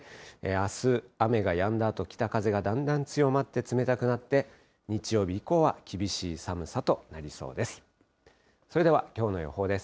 あす、雨がやんだあと、北風がだんだん強まって、冷たくなって、日曜日以降は厳しい寒さとなりそうです。